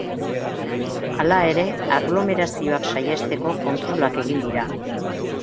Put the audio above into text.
Hala ere, aglomerazioak saihesteko kontrolak egin dira.